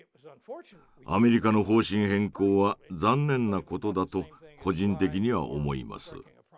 アメリカの方針変更は残念なことだと個人的には思います。